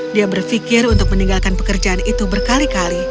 dia berpikir untuk meninggalkan pekerjaan itu berkali kali